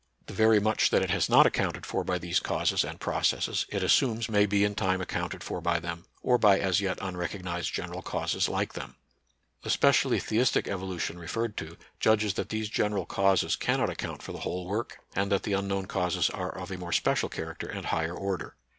The very much that it has not accounted for by these causes and processes, it assumes may be in time accounted for by them, or by as yet unrecognized general causes like them. The specially theistic evolu tion referred to judges that these general causes cannot account for the whole work, and that the unknown causes are of a more special character and higher order.